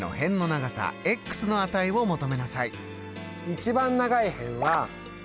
一番長い辺は１３。